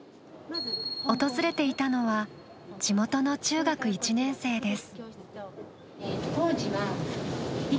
訪れていたのは地元の中学１年生です。